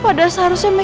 kalau kata aku begitu